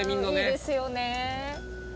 いいですよね！